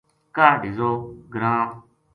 کاہڈ ہیضو گراں